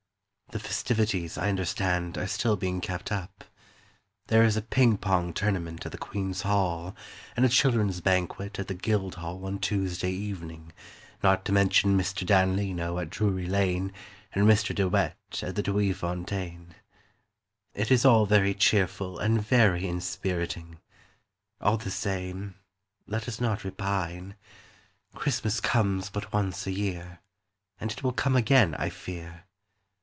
The festivities, I understand, Are still being kept up. There is a ping pong tournament at the Queen's Hall And a children's banquet At the Guildhall on Tuesday evening; Not to mention Mr. Dan Leno at Drury Lane And Mr. De Wet at the Tweefontein. It is all very cheerful And very inspiriting. All the same, Let us not repine: Christmas comes but once a year, And it will come again, I fear.